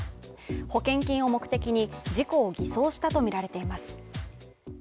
保険金を目的に、事故を偽装したとみられています。